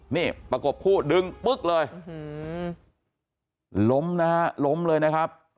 นี่ประกบคู่ดึงปึ๊กเลยล้มนะฮะล้มเลยนะครับ